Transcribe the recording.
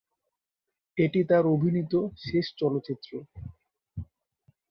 এটি তার অভিনীত শেষ চলচ্চিত্র।